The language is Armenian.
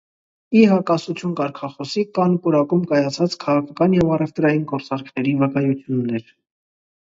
Ի հակասություն կարգախոսի, կան պուրակում կայացած քաղաքական և առևտրային գործարքների վկայություններ։